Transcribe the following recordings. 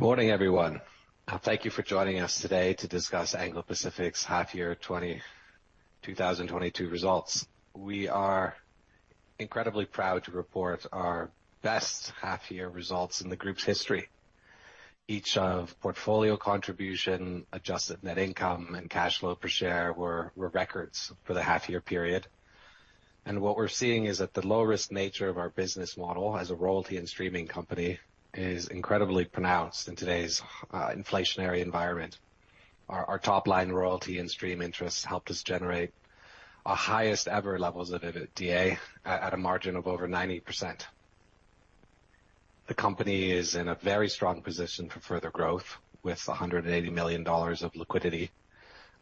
Good morning, everyone. Thank you for joining us today to discuss Anglo Pacific's half-year 2022 results. We are incredibly proud to report our best half-year results in the group's history. Each of portfolio contribution, adjusted net income, and cash flow per share were records for the half-year period. What we're seeing is that the low-risk nature of our business model as a royalty and streaming company is incredibly pronounced in today's inflationary environment. Our top-line royalty and stream interests helped us generate our highest ever levels of EBITDA at a margin of over 90%. The company is in a very strong position for further growth, with $180 million of liquidity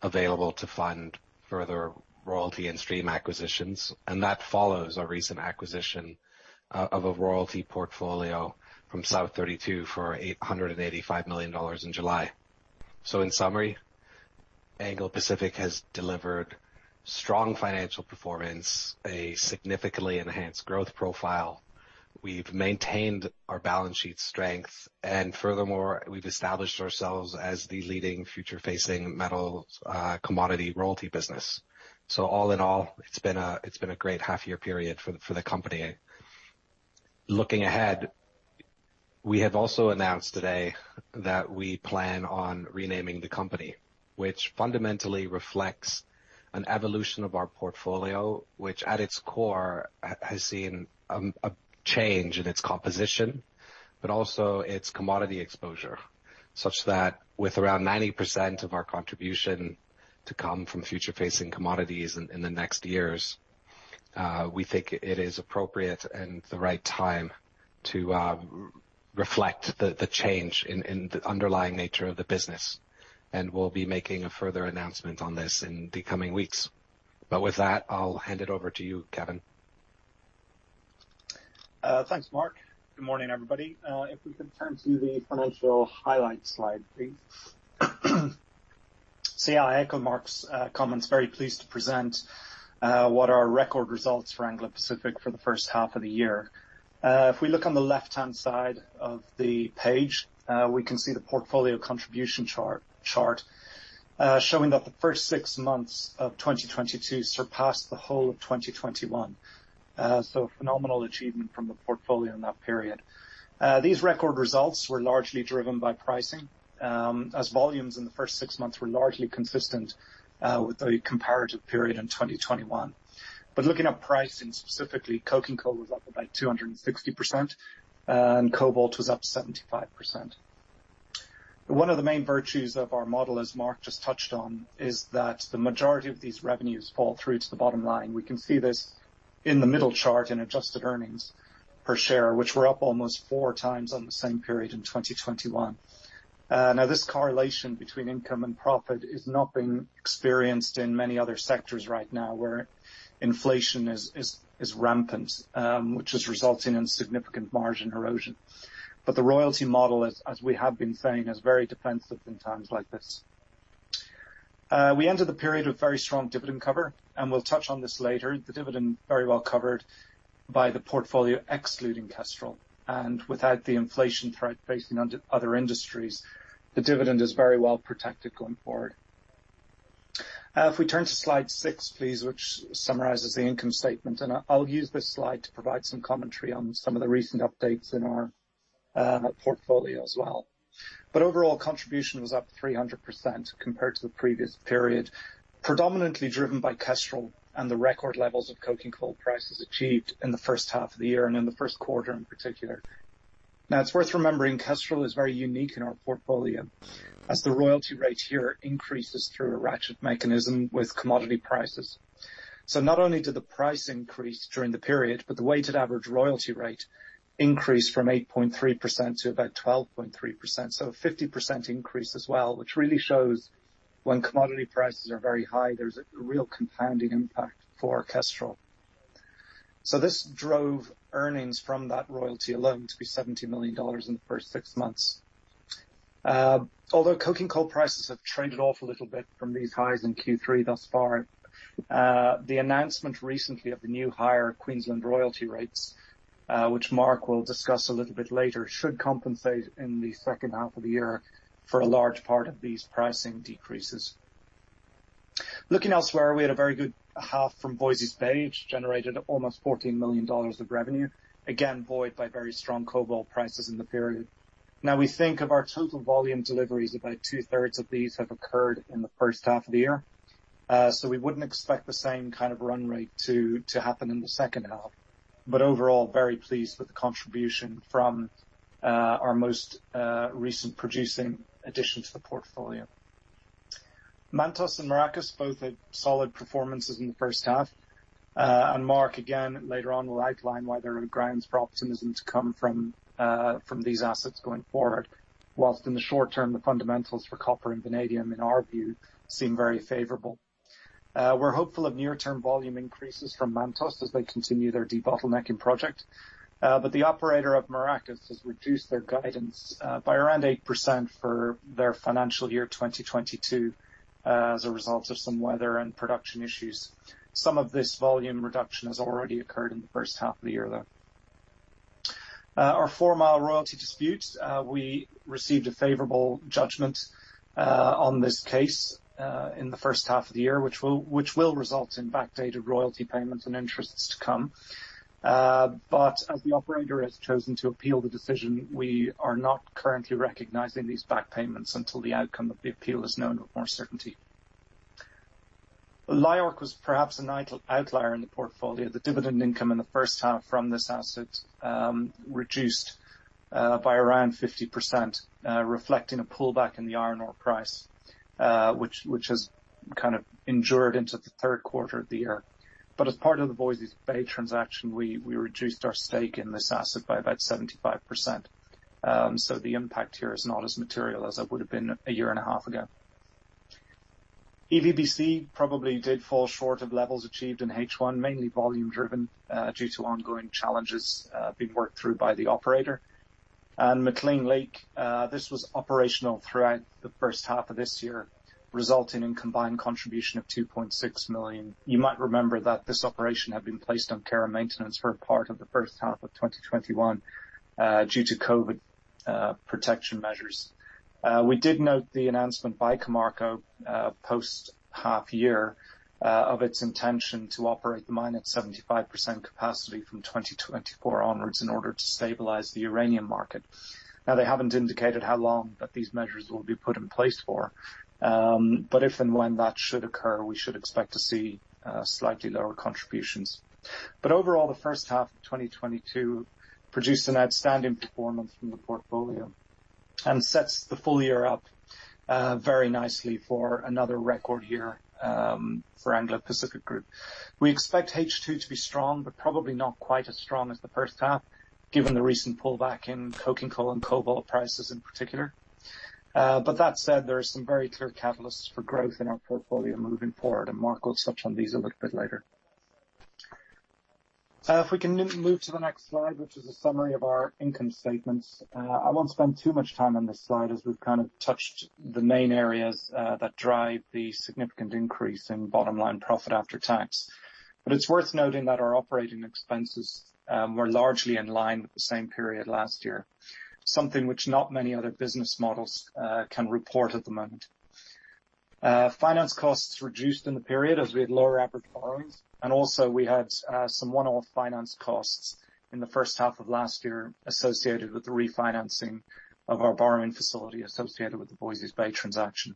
available to fund further royalty and stream acquisitions, and that follows our recent acquisition of a royalty portfolio from South32 for $885 million in July. In summary, Anglo Pacific has delivered strong financial performance, a significantly enhanced growth profile. We've maintained our balance sheet strength, and furthermore, we've established ourselves as the leading future-facing metal commodity royalty business. All in all, it's been a great half-year period for the company. Looking ahead, we have also announced today that we plan on renaming the company, which fundamentally reflects an evolution of our portfolio, which at its core has seen a change in its composition, but also its commodity exposure, such that with around 90% of our contribution to come from future-facing commodities in the next years, we think it is appropriate and the right time to reflect the change in the underlying nature of the business, and we'll be making a further announcement on this in the coming weeks. With that, I'll hand it over to you, Kevin. Thanks, Marc. Good morning, everybody. If we could turn to the financial highlights slide, please. Yeah, I echo Marc's comments. Very pleased to present what are record results for Anglo Pacific for the first half of the year. If we look on the left-hand side of the page, we can see the portfolio contribution chart showing that the first six months of 2022 surpassed the whole of 2021. A phenomenal achievement from the portfolio in that period. These record results were largely driven by pricing, as volumes in the first six months were largely consistent with the comparative period in 2021. Looking at pricing specifically, coking coal was up about 260%, and cobalt was up 75%. One of the main virtues of our model, as Marc just touched on, is that the majority of these revenues fall through to the bottom line. We can see this in the middle chart in adjusted earnings per share, which were up almost four times on the same period in 2021. Now this correlation between income and profit is not being experienced in many other sectors right now, where inflation is rampant, which is resulting in significant margin erosion. The royalty model, as we have been saying, is very defensive in times like this. We ended the period with very strong dividend cover, and we'll touch on this later. The dividend very well covered by the portfolio excluding Kestrel. Without the inflation threat facing other industries, the dividend is very well protected going forward. If we turn to slide 6, please, which summarizes the income statement, and I'll use this slide to provide some commentary on some of the recent updates in our portfolio as well. Overall contribution was up 300% compared to the previous period, predominantly driven by Kestrel and the record levels of coking coal prices achieved in the first half of the year and in the first quarter in particular. Now it's worth remembering Kestrel is very unique in our portfolio as the royalty rate here increases through a ratchet mechanism with commodity prices. Not only did the price increase during the period, but the weighted average royalty rate increased from 8.3% to about 12.3%, so a 50% increase as well, which really shows when commodity prices are very high, there's a real compounding impact for Kestrel. This drove earnings from that royalty alone to be $70 million in the first six months. Although coking coal prices have traded off a little bit from these highs in Q3 thus far, the announcement recently of the new higher Queensland royalty rates, which Marc will discuss a little bit later, should compensate in the second half of the year for a large part of these pricing decreases. Looking elsewhere, we had a very good half from Voisey's Bay, which generated almost $14 million of revenue, again, buoyed by very strong cobalt prices in the period. Now we think of our total volume deliveries, about two-thirds of these have occurred in the first half of the year. We wouldn't expect the same run rate to happen in the second half. Overall, very pleased with the contribution from our most recent producing addition to the portfolio. Mantos and Maracás both had solid performances in the first half. Marc, again, later on, will outline why there are grounds for optimism to come from these assets going forward. While in the short term, the fundamentals for copper and vanadium, in our view, seem very favorable. We're hopeful of near-term volume increases from Mantos as they continue their debottlenecking project. The operator of Maracás has reduced their guidance by around 8% for their financial year 2022 as a result of some weather and production issues. Some of this volume reduction has already occurred in the first half of the year, though. Our Four Mile royalty dispute, we received a favorable judgment on this case in the first half of the year, which will result in backdated royalty payments and interests to come. As the operator has chosen to appeal the decision, we are not currently recognizing these back payments until the outcome of the appeal is known with more certainty. LIORC was perhaps an outlier in the portfolio. The dividend income in the first half from this asset reduced by around 50%, reflecting a pullback in the iron ore price, which has endured into the third quarter of the year. As part of the Voisey's Bay transaction, we reduced our stake in this asset by about 75%. The impact here is not as material as it would have been a year and a half ago. EVBC probably did fall short of levels achieved in H1, mainly volume driven, due to ongoing challenges being worked through by the operator. McClean Lake, this was operational throughout the first half of this year, resulting in combined contribution of 2.6 million. You might remember that this operation had been placed on care and maintenance for a part of the first half of 2021, due to COVID protection measures. We did note the announcement by Cameco, post half-year, of its intention to operate the mine at 75% capacity from 2024 onwards in order to stabilize the uranium market. Now, they haven't indicated how long that these measures will be put in place for, but if and when that should occur, we should expect to see slightly lower contributions. Overall, the first half of 2022 produced an outstanding performance from the portfolio and sets the full year up very nicely for another record year for Anglo Pacific Group. We expect H2 to be strong, but probably not quite as strong as the first half, given the recent pullback in coking coal and cobalt prices in particular. That said, there are some very clear catalysts for growth in our portfolio moving forward, and Marc will touch on these a little bit later. If we can move to the next slide, which is a summary of our income statements. I won't spend too much time on this slide as we've touched the main areas that drive the significant increase in bottom line profit after tax. It's worth noting that our operating expenses were largely in line with the same period last year, something which not many other business models can report at the moment. Finance costs reduced in the period as we had lower average borrowings. We had some one-off finance costs in the first half of last year associated with the refinancing of our borrowing facility associated with the Voisey's Bay transaction.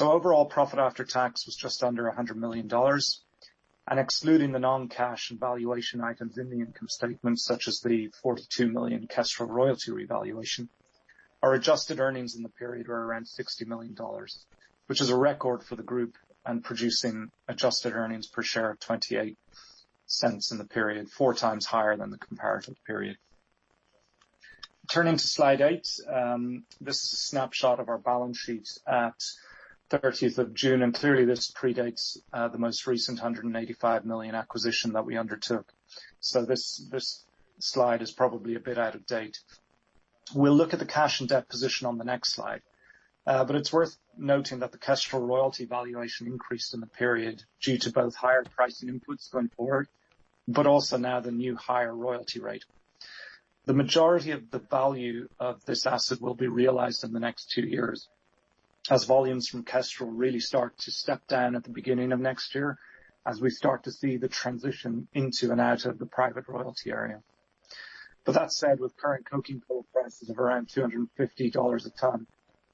Overall, profit after tax was just under $100 million. Excluding the non-cash and valuation items in the income statement, such as the $42 million Kestrel royalty revaluation, our adjusted earnings in the period were around $60 million, which is a record for the group and producing adjusted earnings per share of $0.28 in the period, four times higher than the comparative period. Turning to slide 8, this is a snapshot of our balance sheet at 30th of June, and clearly this predates the most recent $185 million acquisition that we undertook. This slide is probably a bit out of date. We'll look at the cash and debt position on the next slide. But it's worth noting that the Kestrel royalty valuation increased in the period due to both higher pricing inputs going forward, but also now the new higher royalty rate. The majority of the value of this asset will be realized in the next 2 years as volumes from Kestrel really start to step down at the beginning of next year as we start to see the transition into and out of the private royalty area. That said, with current coking coal prices of around $250 a ton,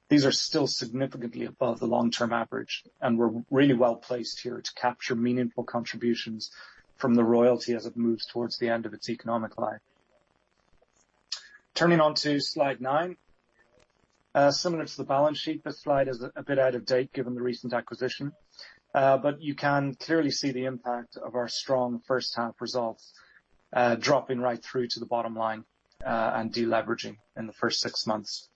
these are still significantly above the long-term average, and we're really well placed here to capture meaningful contributions from the royalty as it moves towards the end of its economic life. Turning to slide 9. Similar to the balance sheet, this slide is a bit out of date given the recent acquisition. You can clearly see the impact of our strong first half results, dropping right through to the bottom line, and deleveraging in the first six months.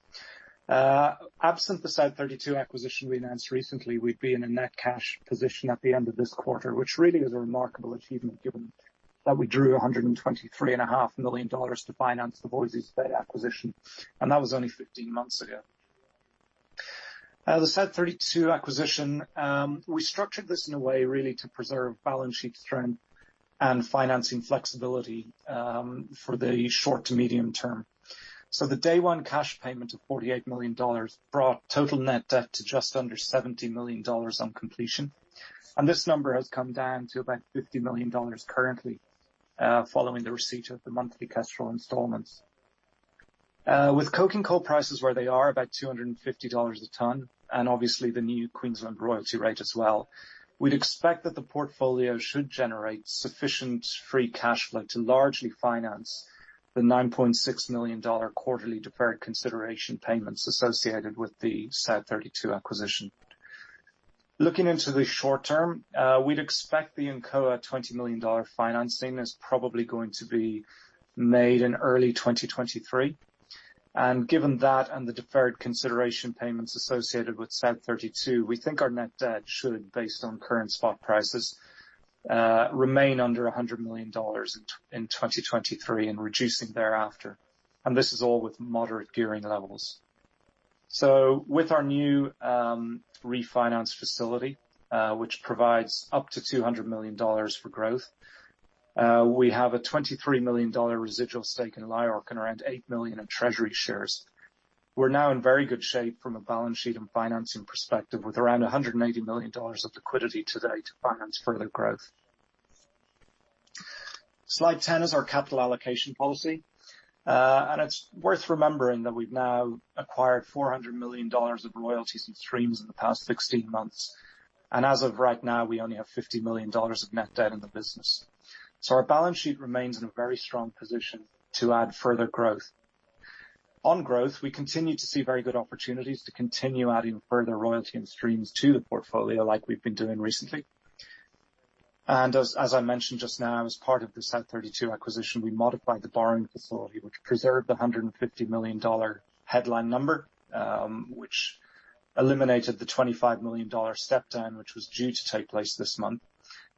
Absent the South32 acquisition we announced recently, we'd be in a net cash position at the end of this quarter, which really is a remarkable achievement given that we drew $123 and a half million to finance the Voisey's Bay acquisition, and that was only 15 months ago. The South32 acquisition, we structured this in a way really to preserve balance sheet strength and financing flexibility, for the short to medium term. The day one cash payment of $48 million brought total net debt to just under $70 million on completion. This number has come down to about $50 million currently, following the receipt of the monthly Kestrel installments. With coking coal prices where they are, about $250 a ton, and obviously the new Queensland royalty rate as well, we'd expect that the portfolio should generate sufficient free cash flow to largely finance the $9.6 million quarterly deferred consideration payments associated with the South32 acquisition. Looking into the short term, we'd expect the Incoa $20 million financing is probably going to be made in early 2023. Given that and the deferred consideration payments associated with South32, we think our net debt should, based on current spot prices, remain under $100 million in 2023 and reducing thereafter. This is all with moderate gearing levels. With our new refinance facility, which provides up to $200 million for growth, we have a $23 million residual stake in LIORC and around $8 million in treasury shares. We're now in very good shape from a balance sheet and financing perspective, with around $180 million of liquidity today to finance further growth. Slide 10 is our capital allocation policy. It's worth remembering that we've now acquired $400 million of royalties and streams in the past 16 months. As of right now, we only have $50 million of net debt in the business. Our balance sheet remains in a very strong position to add further growth. On growth, we continue to see very good opportunities to continue adding further royalty and streams to the portfolio like we've been doing recently. As I mentioned just now, as part of the South32 acquisition, we modified the borrowing facility, which preserved the $150 million headline number, which eliminated the $25 million step down, which was due to take place this month.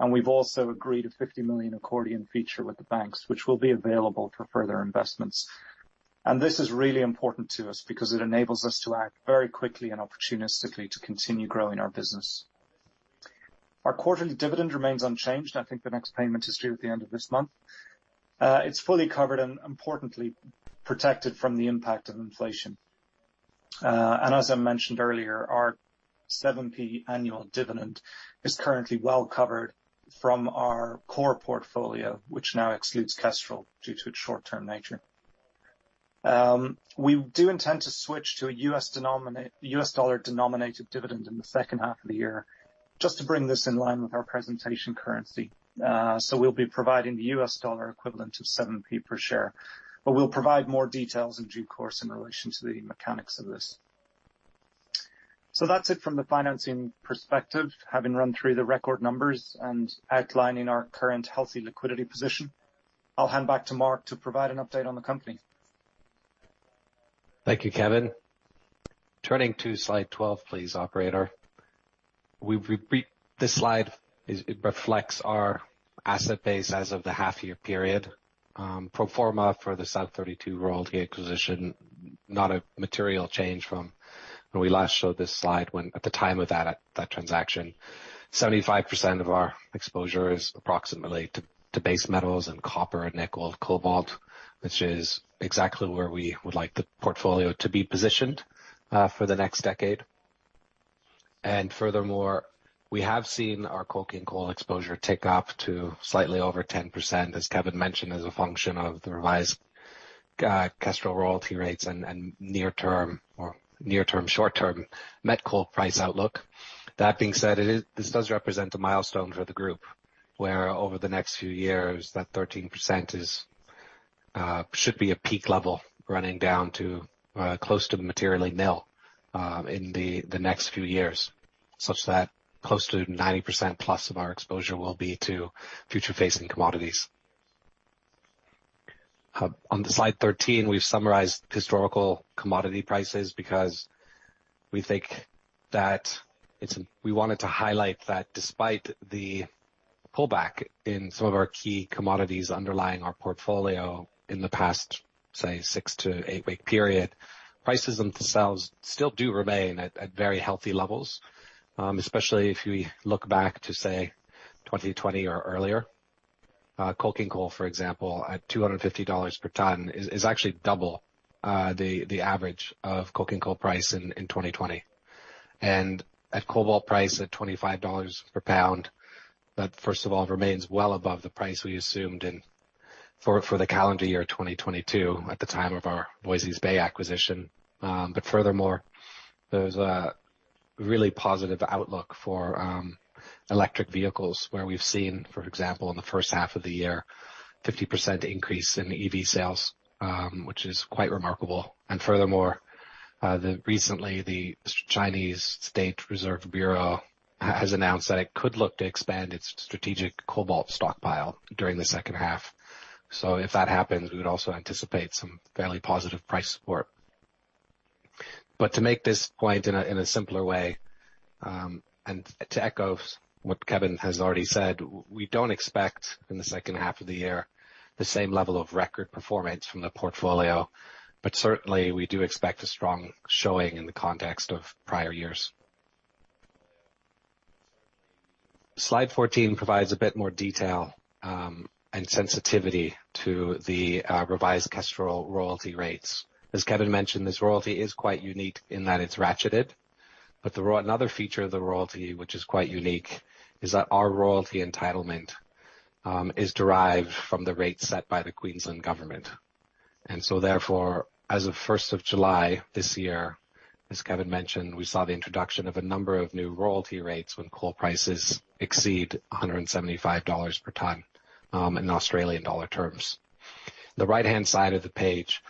We've also agreed a $50 million accordion feature with the banks, which will be available for further investments. This is really important to us because it enables us to act very quickly and opportunistically to continue growing our business. Our quarterly dividend remains unchanged. I think the next payment is due at the end of this month. It's fully covered and importantly protected from the impact of inflation. As I mentioned earlier, our 7p annual dividend is currently well covered from our core portfolio, which now excludes Kestrel due to its short-term nature. We do intend to switch to a US dollar denominated dividend in the second half of the year just to bring this in line with our presentation currency. We'll be providing the US dollar equivalent of 7p per share, but we'll provide more details in due course in relation to the mechanics of this. That's it from the financing perspective. Having run through the record numbers and outlining our current healthy liquidity position, I'll hand back to Marc to provide an update on the company. Thank you, Kevin. Turning to slide 12, please, operator. This slide is, it reflects our asset base as of the half year period, pro forma for the South32 royalty acquisition. Not a material change from when we last showed this slide when, at the time of that transaction. 75% of our exposure is approximately to base metals and copper and nickel, cobalt, which is exactly where we would like the portfolio to be positioned for the next decade. Furthermore, we have seen our coking coal exposure tick up to slightly over 10%, as Kevin mentioned, as a function of the revised Kestrel royalty rates and near term short term met coal price outlook. That being said, this does represent a milestone for the group where over the next few years that 13% should be a peak level running down to close to materially nil in the next few years. Such that close to 90%+ of our exposure will be to future facing commodities. On the slide 13, we've summarized historical commodity prices because we think that we wanted to highlight that despite the pullback in some of our key commodities underlying our portfolio in the past, say, 6-8-week period, prices themselves still do remain at very healthy levels, especially if we look back to say 2020 or earlier. Coking coal, for example, at $250 per ton is actually double the average of coking coal price in 2020. At cobalt price at $25 per pound, that first of all remains well above the price we assumed in for the calendar year 2022 at the time of our Voisey's Bay acquisition. But furthermore, there's a really positive outlook for electric vehicles where we've seen, for example, in the first half of the year, 50% increase in EV sales, which is quite remarkable. Furthermore, recently the Chinese State Reserve Bureau has announced that it could look to expand its strategic cobalt stockpile during the second half. If that happens, we would also anticipate some fairly positive price support. To make this point in a simpler way, and to echo what Kevin has already said, we don't expect in the second half of the year, the same level of record performance from the portfolio. Certainly we do expect a strong showing in the context of prior years. Slide 14 provides a bit more detail, and sensitivity to the revised Kestrel royalty rates. As Kevin mentioned, this royalty is quite unique in that it's ratcheted. Another feature of the royalty, which is quite unique, is that our royalty entitlement is derived from the rate set by the Queensland government. Therefore, as of first of July this year, as Kevin mentioned, we saw the introduction of a number of new royalty rates when coal prices exceed 175 dollars per ton, in Australian dollar terms. The right-hand side of the page,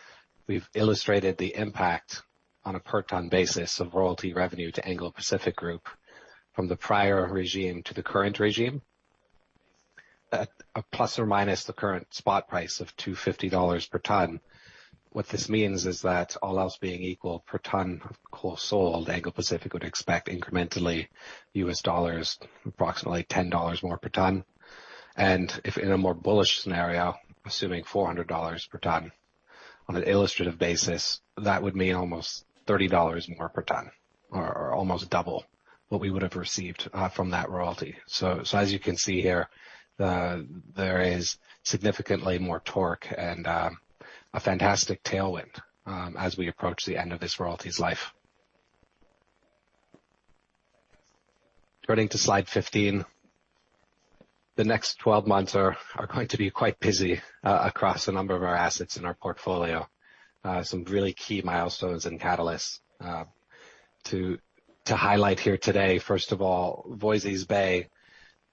we've illustrated the impact on a per ton basis of royalty revenue to Anglo Pacific Group from the prior regime to the current regime at ± the current spot price of $250 per ton. What this means is that all else being equal per ton of coal sold, Anglo Pacific would expect incrementally US dollars, approximately $10 more per ton. If in a more bullish scenario, assuming $400 per ton, on an illustrative basis, that would mean almost $30 more per ton or almost double what we would have received from that royalty. As you can see here, there is significantly more torque and a fantastic tailwind as we approach the end of this royalty's life. Turning to slide 15, the next 12 months are going to be quite busy across a number of our assets in our portfolio. Some really key milestones and catalysts to highlight here today. First of all, Voisey's Bay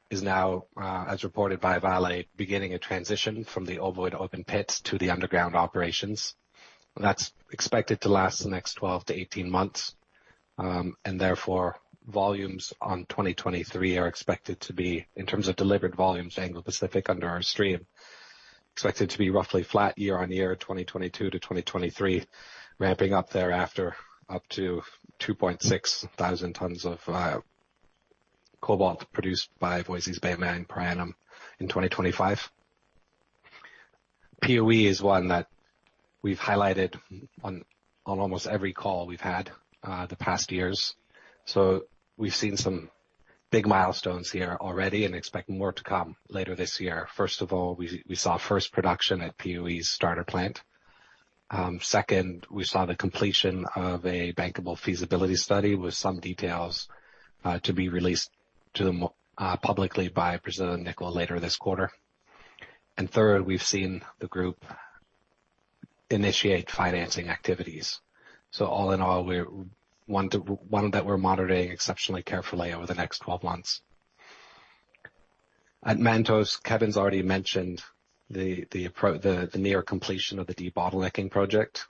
is now, as reported by Vale, beginning a transition from the Ovoid open pits to the underground operations. That's expected to last the next 12-18 months, and therefore, volumes on 2023 are expected to be, in terms of delivered volumes, Anglo Pacific under our stream, expected to be roughly flat year-on-year, 2022 to 2023, ramping up thereafter up to 2,600 tons of cobalt produced by Voisey's Bay mine per annum in 2025. Piauí is one that we've highlighted on almost every call we've had the past years. We've seen some big milestones here already and expect more to come later this year. First of all, we saw first production at Piauí's starter plant. Second, we saw the completion of a bankable feasibility study with some details to be released publicly by Brazilian Nickel later this quarter. Third, we've seen the group initiate financing activities. All in all, we're one that we're monitoring exceptionally carefully over the next 12 months. At Mantos, Kevin's already mentioned the near completion of the debottlenecking project.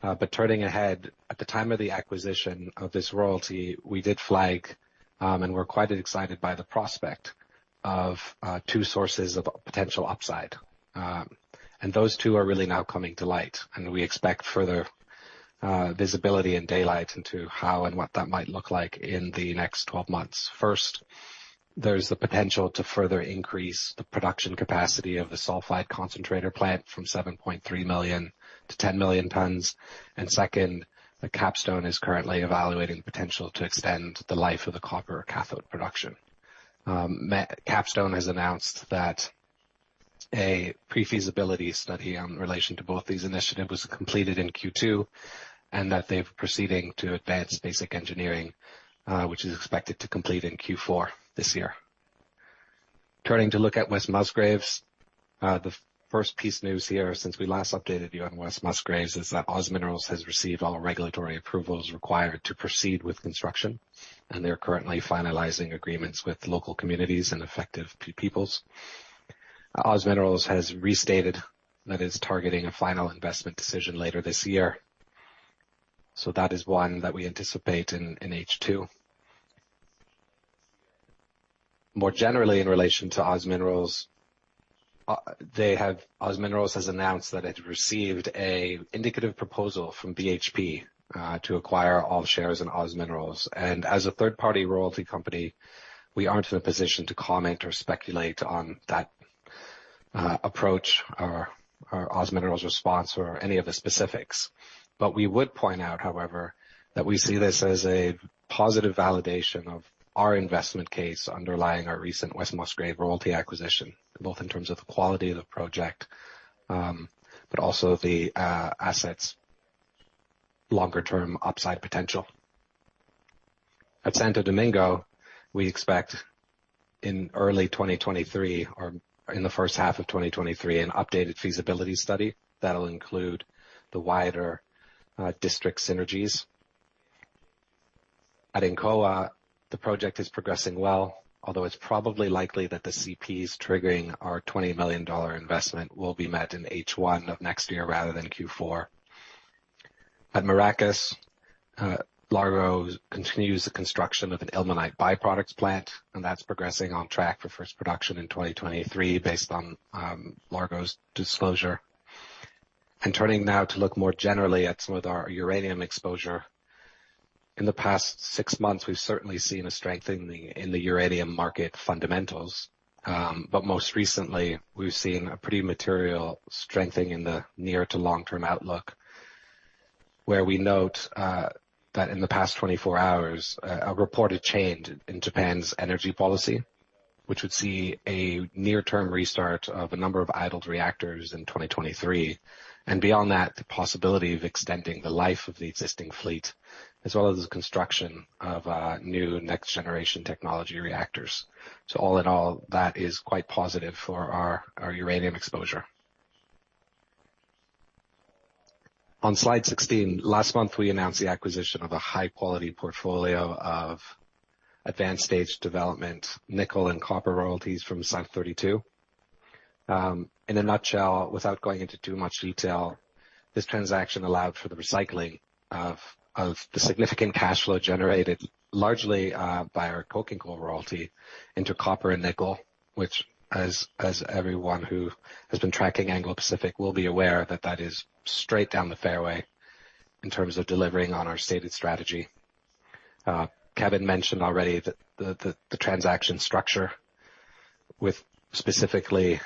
But turning ahead, at the time of the acquisition of this royalty, we did flag and we're quite excited by the prospect of two sources of potential upside. Those two are really now coming to light, and we expect further visibility and daylight into how and what that might look like in the next 12 months. First, there's the potential to further increase the production capacity of the sulfide concentrator plant from 7.3 million to 10 million tons. Second, Capstone is currently evaluating potential to extend the life of the copper cathode production. Capstone has announced that a pre-feasibility study in relation to both these initiatives was completed in Q2, and that they're proceeding to advance basic engineering, which is expected to complete in Q4 this year. Turning to look at West Musgrave, the first piece of news here since we last updated you on West Musgrave is that OZ Minerals has received all regulatory approvals required to proceed with construction, and they're currently finalizing agreements with local communities and Indigenous peoples. OZ Minerals has restated that it's targeting a final investment decision later this year. That is one that we anticipate in H2. More generally in relation to OZ Minerals, OZ Minerals has announced that it received an indicative proposal from BHP to acquire all shares in OZ Minerals. As a third-party royalty company, we aren't in a position to comment or speculate on that approach or OZ Minerals response or any of the specifics. We would point out, however, that we see this as a positive validation of our investment case underlying our recent West Musgrave royalty acquisition, both in terms of the quality of the project, but also the asset's longer term upside potential. At Santo Domingo, we expect in early 2023 or in the first half of 2023 an updated feasibility study that'll include the wider district synergies. At Incoa, the project is progressing well, although it's probably likely that the CPs triggering our $20 million investment will be met in H1 of next year rather than Q4. At Maracás, Largo continues the construction of an ilmenite byproducts plant, and that's progressing on track for first production in 2023 based on Largo's disclosure. Turning now to look more generally at some of our uranium exposure. In the past six months, we've certainly seen a strengthening in the uranium market fundamentals, but most recently, we've seen a pretty material strengthening in the near to long-term outlook, where we note that in the past 24 hours, a reported change in Japan's energy policy, which would see a near-term restart of a number of idled reactors in 2023. Beyond that, the possibility of extending the life of the existing fleet, as well as the construction of new next generation technology reactors. All in all, that is quite positive for our uranium exposure. On slide 16, last month, we announced the acquisition of a high-quality portfolio of advanced stage development, nickel and copper royalties from South32. In a nutshell, without going into too much detail, this transaction allowed for the recycling of the significant cash flow generated largely by our coking coal royalty into copper and nickel, which, as everyone who has been tracking Anglo Pacific will be aware that is straight down the fairway in terms of delivering on our stated strategy. Kevin mentioned already that the transaction structure was specifically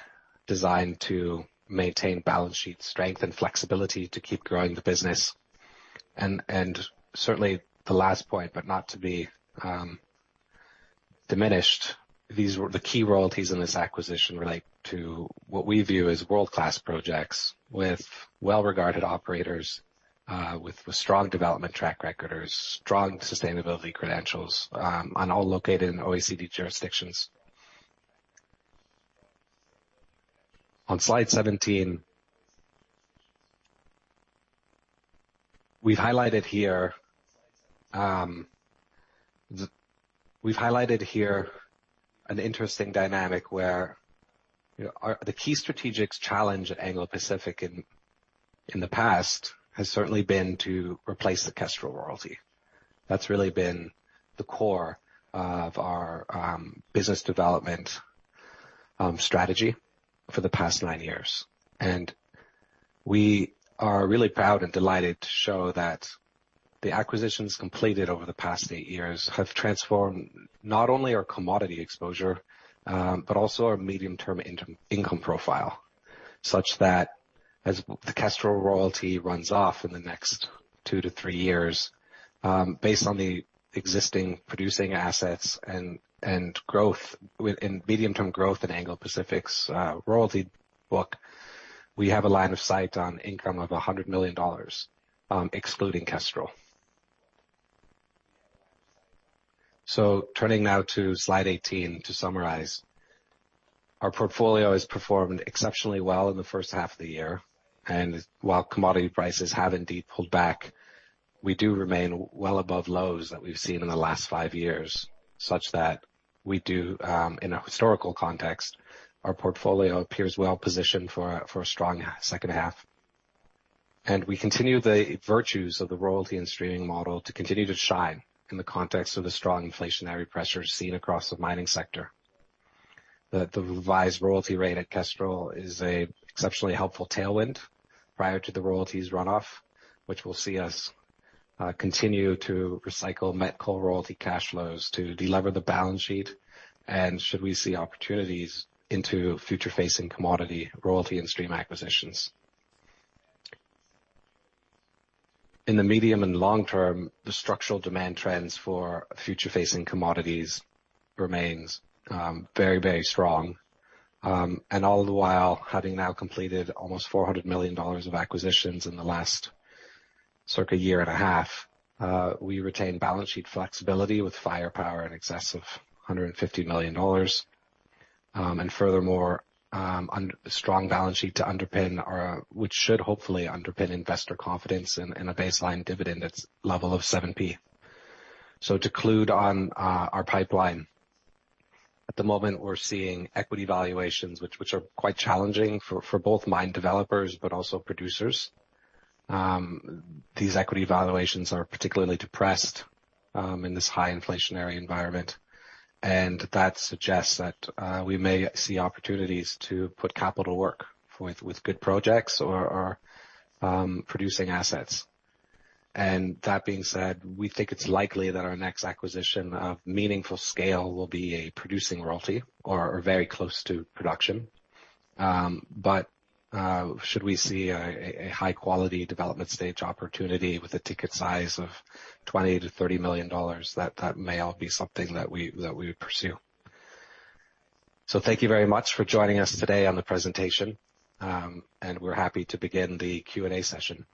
designed to maintain balance sheet strength and flexibility to keep growing the business. Certainly the last point, but not to be diminished, these were the key royalties in this acquisition relate to what we view as world-class projects with well-regarded operators, with strong development track record or strong sustainability credentials, and all located in OECD jurisdictions. On slide 17, we've highlighted here an interesting dynamic where the key strategic challenge at Anglo Pacific in the past has certainly been to replace the Kestrel royalty. That's really been the core of our business development strategy for the past 9 years. We are really proud and delighted to show that the acquisitions completed over the past 8 years have transformed not only our commodity exposure, but also our medium-term income profile, such that as the Kestrel royalty runs off in the next 2-3 years, based on the existing producing assets and growth in medium-term growth in Anglo Pacific's royalty book, we have a line of sight on income of $100 million, excluding Kestrel. Turning now to slide 18 to summarize. Our portfolio has performed exceptionally well in the first half of the year. While commodity prices have indeed pulled back, we do remain well above lows that we've seen in the last five years, such that we do in a historical context, our portfolio appears well positioned for a strong second half. We continue the virtues of the royalty and streaming model to continue to shine in the context of the strong inflationary pressures seen across the mining sector. The revised royalty rate at Kestrel is an exceptionally helpful tailwind prior to the royalties runoff, which will see us continue to recycle met coal royalty cash flows to deleverage the balance sheet, and should we see opportunities into future-facing commodity royalty and stream acquisitions. In the medium and long term, the structural demand trends for future-facing commodities remains very, very strong. All the while, having now completed almost $400 million of acquisitions in the last circa year and a half, we retain balance sheet flexibility with firepower in excess of $150 million, and furthermore, strong balance sheet to underpin our which should hopefully underpin investor confidence in a baseline dividend, its level of 7p. To conclude on our pipeline. At the moment, we're seeing equity valuations which are quite challenging for both mine developers but also producers. These equity valuations are particularly depressed in this high inflationary environment, and that suggests that we may see opportunities to put capital to work with good projects or producing assets. That being said, we think it's likely that our next acquisition of meaningful scale will be a producing royalty or very close to production. But should we see a high quality development stage opportunity with a ticket size of $20-30 million, that may all be something that we would pursue. Thank you very much for joining us today on the presentation, and we're happy to begin the Q&A session.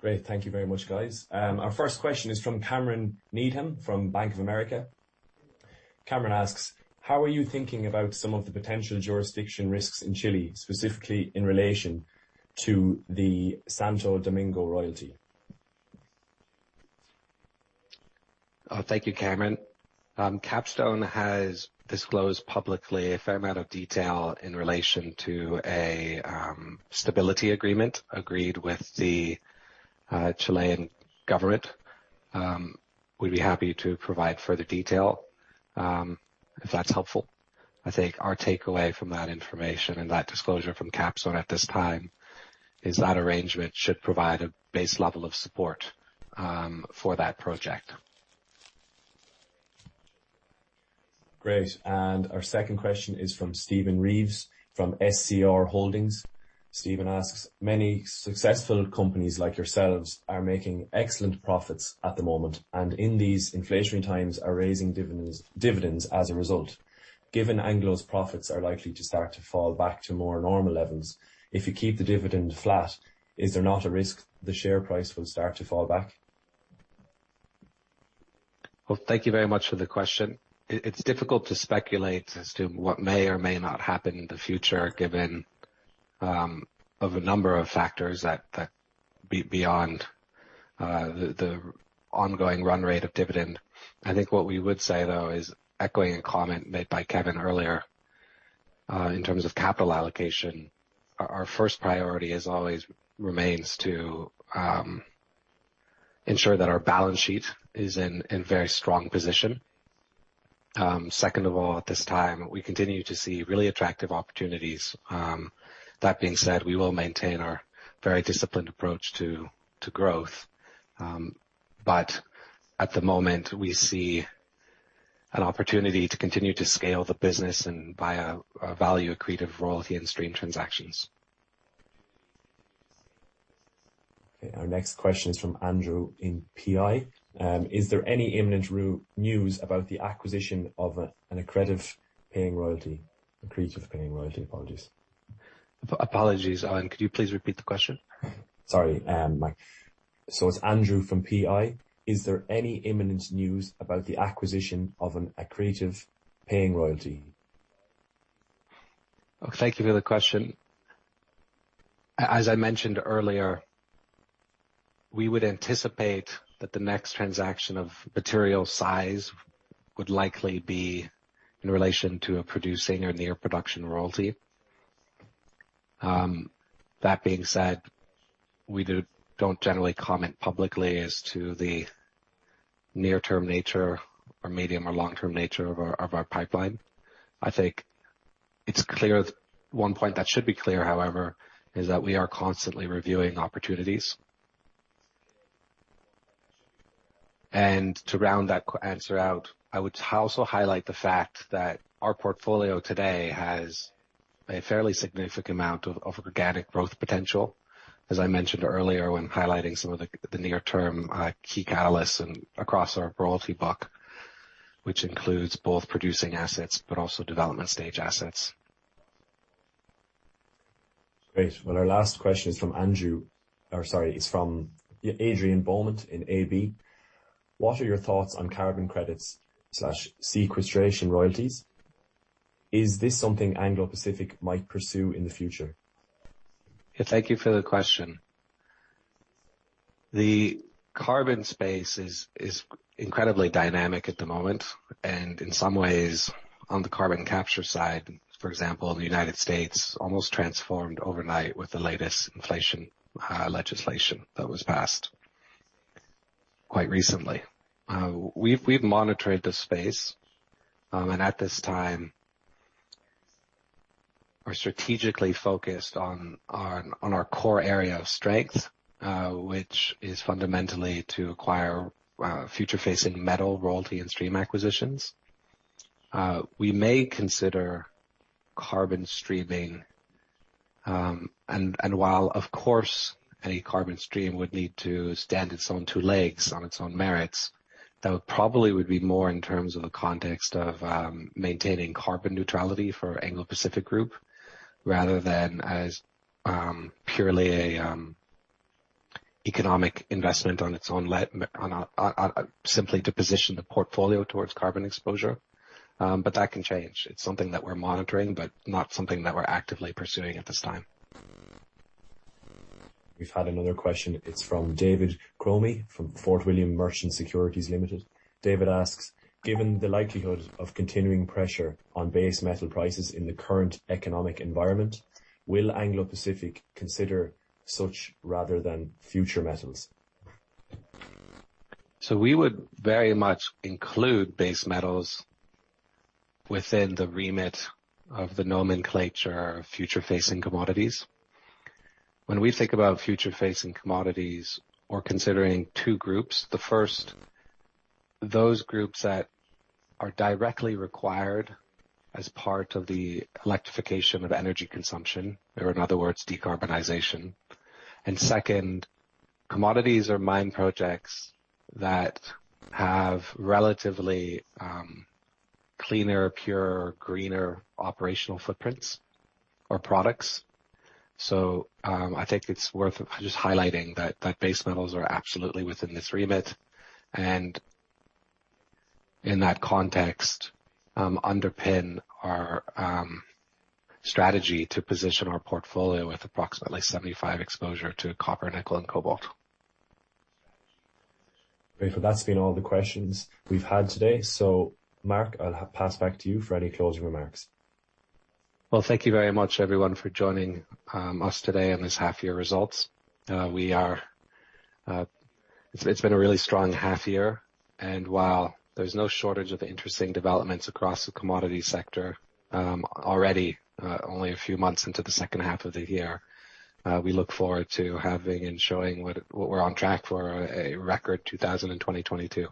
Great. Thank you very much, guys. Our first question is from Cameron Needham from Bank of America. Cameron asks, "How are you thinking about some of the potential jurisdiction risks in Chile, specifically in relation to the Santo Domingo royalty? Thank you, Cameron. Capstone has disclosed publicly a fair amount of detail in relation to a stability agreement agreed with the Chilean government. We'd be happy to provide further detail if that's helpful. I think our takeaway from that information and that disclosure from Capstone at this time is that arrangement should provide a base level of support for that project. Great. Our second question is from Stephen Reeves, from SCR Holdings. Stephen asks, "Many successful companies like yourselves are making excellent profits at the moment, and in these inflationary times are raising dividends as a result. Given Anglo's profits are likely to start to fall back to more normal levels, if you keep the dividend flat, is there not a risk the share price will start to fall back? Well, thank you very much for the question. It's difficult to speculate as to what may or may not happen in the future, given a number of factors that beyond the ongoing run rate of dividend. I think what we would say, though, is echoing a comment made by Kevin earlier, in terms of capital allocation, our first priority always remains to ensure that our balance sheet is in a very strong position. Second of all, at this time, we continue to see really attractive opportunities. That being said, we will maintain our very disciplined approach to growth. At the moment, we see an opportunity to continue to scale the business via a value-accretive royalty and stream transactions. Okay. Our next question is from Andrew from PI. Is there any imminent news about the acquisition of an accretive paying royalty? Apologies. Apologies. Could you please repeat the question? Sorry, Marc. It's Andrew from PI. Is there any imminent news about the acquisition of an accretive paying royalty? Thank you for the question. As I mentioned earlier, we would anticipate that the next transaction of material size would likely be in relation to a producing or near production royalty. That being said, we don't generally comment publicly as to the near-term nature or medium or long-term nature of our pipeline. I think it's clear. One point that should be clear, however, is that we are constantly reviewing opportunities. To round that answer out, I would also highlight the fact that our portfolio today has a fairly significant amount of organic growth potential, as I mentioned earlier, when highlighting some of the near-term key catalysts across our royalty book, which includes both producing assets but also development stage assets. Great. Well, our last question is from Adrian Beaumont from AB. What are your thoughts on carbon credits/sequestration royalties? Is this something Anglo Pacific might pursue in the future? Yeah, thank you for the question. The carbon space is incredibly dynamic at the moment, and in some ways, on the carbon capture side, for example, the United States almost transformed overnight with the latest inflation legislation that was passed quite recently. We've monitored the space, and at this time, we're strategically focused on our core area of strength, which is fundamentally to acquire future-facing metal royalty and stream acquisitions. We may consider carbon streaming, and while of course, any carbon stream would need to stand on its own two legs on its own merits, that would probably be more in terms of the context of maintaining carbon neutrality for Anglo Pacific Group rather than as purely a economic investment on its own legs. Simply to position the portfolio towards carbon exposure, but that can change. It's something that we're monitoring, but not something that we're actively pursuing at this time. We've had another question. It's from David Crome, from Fort William Merchant Securities Ltd. David asks, given the likelihood of continuing pressure on base metal prices in the current economic environment, will Anglo Pacific consider such rather than future metals? We would very much include base metals within the remit of the nomenclature of future-facing commodities. When we think about future-facing commodities, we're considering two groups. The first, those groups that are directly required as part of the electrification of energy consumption, or in other words, decarbonization. Second, commodities or mine projects that have relatively, cleaner, pure, greener operational footprints or products. I think it's worth just highlighting that base metals are absolutely within this remit, and in that context, underpin our strategy to position our portfolio with approximately 75% exposure to copper, nickel and cobalt. Great. That's been all the questions we've had today. Marc, I'll pass back to you for any closing remarks. Well, thank you very much everyone for joining us today on this half year results. It's been a really strong half year, while there's no shortage of interesting developments across the commodity sector, already only a few months into the second half of the year, we look forward to having and showing what we're on track for a record 2022.